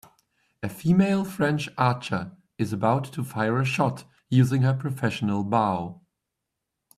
A female French archer is about to fire a shot using her professional bow.